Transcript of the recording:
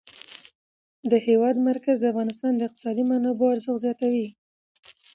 د هېواد مرکز د افغانستان د اقتصادي منابعو ارزښت زیاتوي.